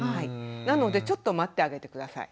なのでちょっと待ってあげて下さい。